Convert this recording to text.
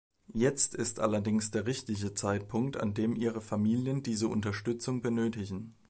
Jetzt ist allerdings der richtige Zeitpunkt, an dem ihre Familien diese Unterstützung benötigen.